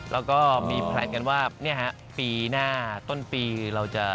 แล้วก็มีแพลนกันว่าปีหน้าต้นปีเราจะ